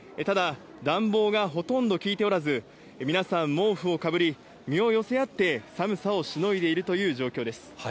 ただ、暖房がほとんど効いておらず、皆さん、毛布をかぶり、身を寄せ合って、寒さをしのいでいるという状況です。